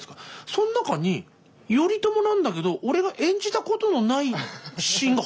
その中に頼朝なんだけど俺が演じたことのないシーンが貼られてたの。